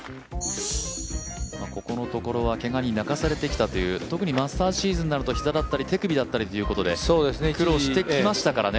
ここのところはけがに泣かされてきたという特にマスターズシーズンになると膝だったり手首だったり苦労してきましたからね。